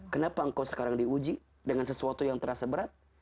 kenapa engkau sekarang diuji dengan sesuatu yang terasa berat